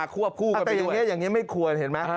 ควบคู่กันไปด้วยแต่อย่างนี้ไม่ควรเห็นไหม